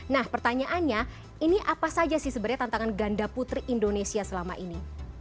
nah pertanyaannya ini apa saja sih sebenarnya tantangan ganda putri indonesia selama ini